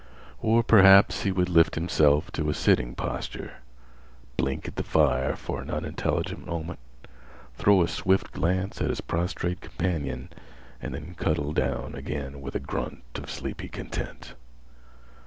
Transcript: Or, perhaps, he would lift himself to a sitting posture, blink at the fire for an unintelligent moment, throw a swift glance at his prostrate companion, and then cuddle down again with a grunt of sleepy content.